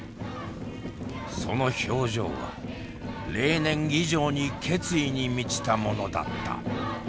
その表情は例年以上に決意に満ちたものだった。